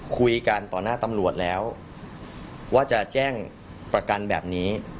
คุยกันต่อหน้าตำรวจแล้วว่าจะแจ้งประกันแบบนี้